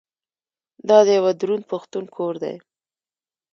دا د یوه دروند پښتون کور دی.